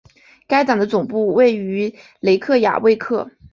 该党的总部位于雷克雅未克。